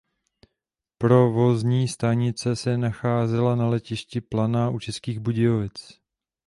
Provozní stanice se nacházela na Letišti Planá u Českých Budějovic.